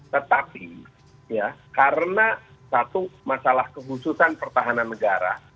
tetapi ya karena satu masalah kehususan pertahanan negara